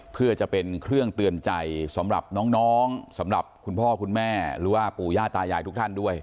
เพื่อจะเป็นเครื่องเตือนใจสำหรับน้องสำหรับคุณพ่อคุณแม่หรือว่าปู่ย่าตายายทุกท่านด้วย